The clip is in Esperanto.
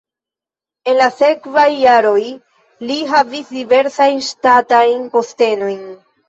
En la sekvaj jaroj li havis diversajn ŝtatajn postenojn.